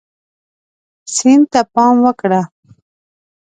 سیند ته پام وکړه.